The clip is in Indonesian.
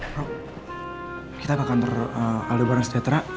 bro kita ke kantor aldo bareng setiap tena